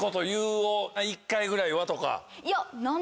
一回ぐらいはとか。